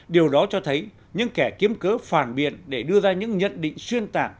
điều đó cho thấy những kẻ kiếm cớ phàn biệt để đưa ra những nhận định xuyên tạng